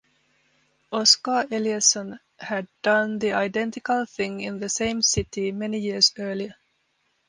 Oscar Eliason had done the identical thing in the same city many years earlier.